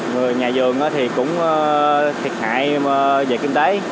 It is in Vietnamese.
người nhà vườn thì cũng thiệt hại về kinh tế